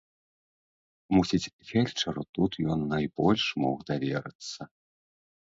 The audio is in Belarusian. Мусіць, фельчару тут ён найбольш мог даверыцца.